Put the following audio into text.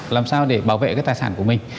làm sao để bảo vệ cái tài sản của mình